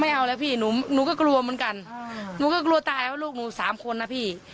เอาแล้วพี่หนูก็กลัวเหมือนกันหนูก็กลัวตายว่าลูกหนูสามคนนะพี่